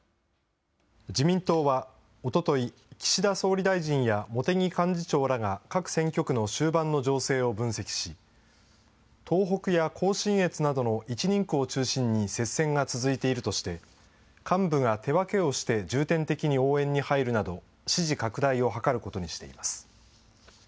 自民党はおととい、岸田総理大臣や茂木幹事長らが各選挙区の終盤の情勢を分析し、東北や甲信越などの１人区を中心に接戦が続いているとして、幹部が手分けをして重点的に応援に入るなど、支持拡大を図ることにしています。